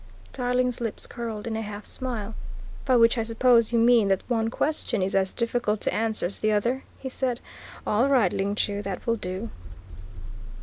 Tarling's lips curled in a half smile. "By which I suppose you mean that one question is as difficult to answer as the other," he said. "All right, Ling Chu, that will do."